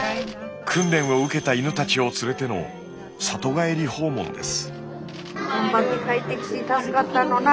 訓練を受けた犬たちを連れての里帰り訪問です。